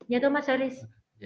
ya pak mas haris